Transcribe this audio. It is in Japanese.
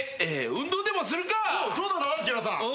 そうだな昭さん。